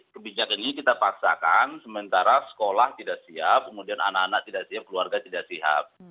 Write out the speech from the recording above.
kebijakan ini kita paksakan sementara sekolah tidak siap kemudian anak anak tidak siap keluarga tidak siap